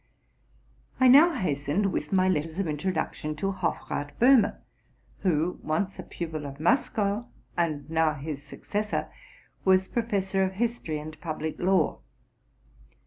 I now hastened with my letters of introduction to Hofrath Béhme, who, once a pupil of Maskow, and now his successor, was professor of history and public law.